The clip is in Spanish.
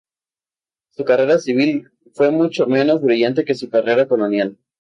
Su carrera civil fue mucho menos brillante que su carrera colonial.